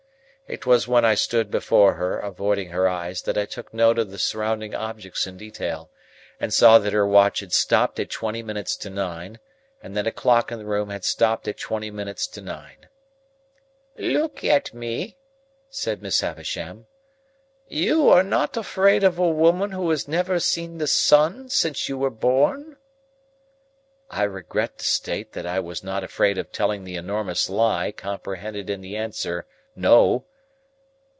It was when I stood before her, avoiding her eyes, that I took note of the surrounding objects in detail, and saw that her watch had stopped at twenty minutes to nine, and that a clock in the room had stopped at twenty minutes to nine. "Look at me," said Miss Havisham. "You are not afraid of a woman who has never seen the sun since you were born?" I regret to state that I was not afraid of telling the enormous lie comprehended in the answer "No."